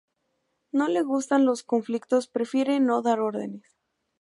No le gustan los conflictos prefiere no dar órdenes.